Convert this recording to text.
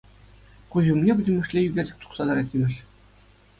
Куҫ умне пӗтӗмӗшле ӳкерчӗк тухса тӑрать имӗш.